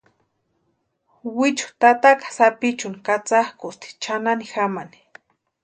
Wichu tataka sapichuni katsakʼusti chʼanani jamani.